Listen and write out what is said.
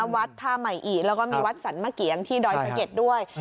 วัดท่าใหม่อีแล้วก็มีวัดสรรมะเกียงที่ดอยสะเก็ดด้วย